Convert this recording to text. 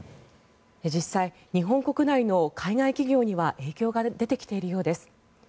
実際、日本国内の海外企業には影響が出てきているようです。